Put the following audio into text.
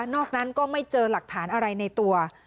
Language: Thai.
นั้นก็ไม่เจอหลักฐานอะไรในตัว